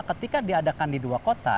ketika diadakan di dua kota